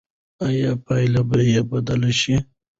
ایا پایله به بدله شي؟